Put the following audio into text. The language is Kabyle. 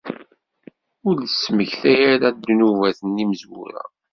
Ur d-ttmektay ara d ddnubat n yimezwura.